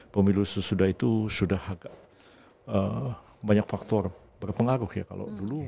pemilu sesudah itu sudah agak banyak faktor berpengaruh ya kalau dulu